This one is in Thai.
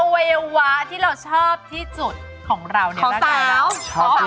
วัยวะที่เราชอบที่สุดของเราเนี่ยของสาว